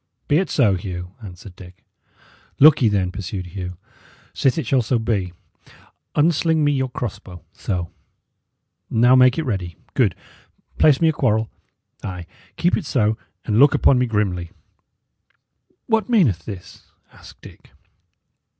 "Be it so, Hugh," answered Dick. "Look ye, then," pursued Hugh. "Sith it shall so be, unsling me your cross bow so: now make it ready good; place me a quarrel. Ay, keep it so, and look upon me grimly." "What meaneth this?" asked Dick.